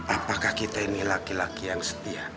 apakah kita ini laki laki yang setia